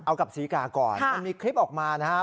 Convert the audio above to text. เอากับศรีกาก่อนมันมีคลิปออกมานะครับ